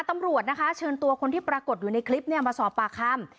ตำรวจนะคะเชิญตัวคนที่ปรากฏอยู่ในคลิปมาสอบปากคำ